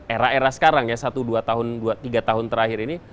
era era sekarang ya satu dua tiga tahun terakhir ini